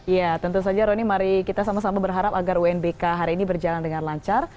ya tentu saja roni mari kita sama sama berharap agar unbk hari ini berjalan dengan lancar